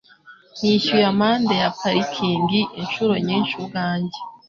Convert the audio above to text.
Nishyuye amande ya parikingi inshuro nyinshi ubwanjye.